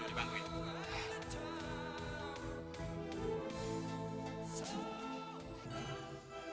lo belum tau siapa